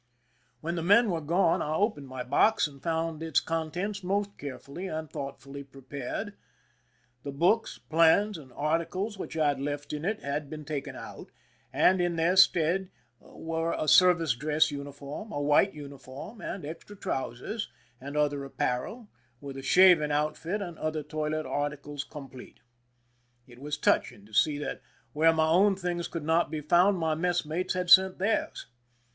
When the men were gone I opened my box, and found its contents most carefully and thoughtfully prepared. The books, plans, and articles which I had left in it had been taken out, and in their stead were a service dress uniform, a white uniform and extra trousers, and other apparel, with a shaving outfit and other toilet articles complete. It was touching to see that where my own things could not be found my mess mates had sent theirs.